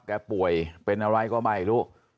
แกป่วยเป็นอะไรก็ไงล่ะลูก